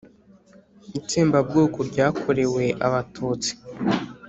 itsembabwoko ryakorewe abatutsi».